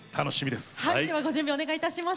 ではご準備お願いいたします。